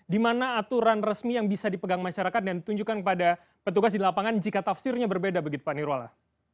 di mana aturan resmi yang bisa dipegang masyarakat dan ditunjukkan kepada petugas di lapangan jika tafsirnya berbeda begitu pak nirwala